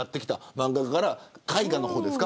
漫画から絵画の方ですか。